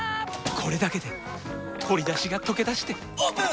これだけで鶏だしがとけだしてオープン！